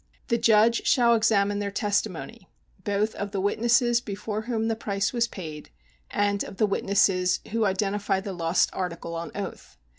The judge shall examine their testimony both of the witnesses before whom the price was paid, and of the witnesses who identify the lost article on oath.